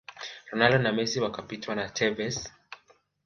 ronaldo na Messi wakapitwa na Tevez